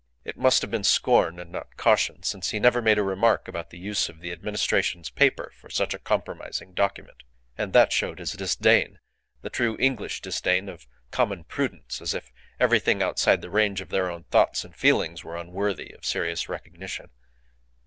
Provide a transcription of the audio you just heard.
It must have been scorn, and not caution, since he never made a remark about the use of the Administration's paper for such a compromising document. And that showed his disdain, the true English disdain of common prudence, as if everything outside the range of their own thoughts and feelings were unworthy of serious recognition.